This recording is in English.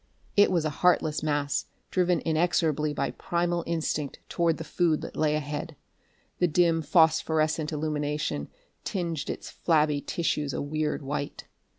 It was a heartless mass driven inexorably by primal instinct towards the food that lay ahead. The dim phosphorescent illumination tinged its flabby tissues a weird white.